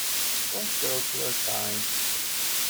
Both girls were kind.